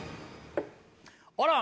あら！